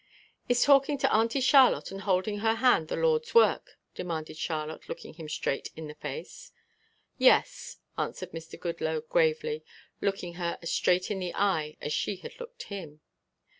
"Is talking to Auntie Charlotte and holding her hand the Lord's work?" demanded Charlotte, looking him straight in the face. "Yes," answered Mr. Goodloe, gravely, looking her as straight in the eye as she had looked him.